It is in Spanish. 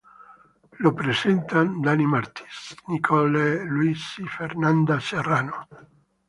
Es presentado por Dani Martins, Nicole Luis, Fernanda Serrano.